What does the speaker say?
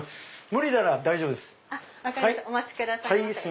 無理なら大丈夫です。